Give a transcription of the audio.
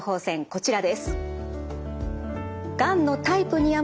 こちらです。